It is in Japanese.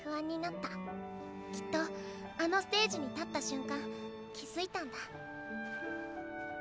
きっとあのステージに立った瞬間気付いたんだ。